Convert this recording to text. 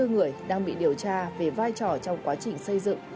một trăm ba mươi bốn người đang bị điều tra về vai trò trong quá trình xây dựng